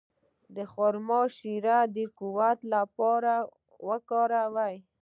د خرما شیره د قوت لپاره وکاروئ